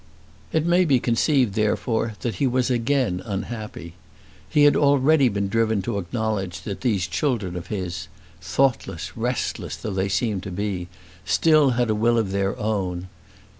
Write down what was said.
It may be conceived, therefore, that he was again unhappy. He had already been driven to acknowledge that these children of his, thoughtless, restless, though they seemed to be, still had a will of their own.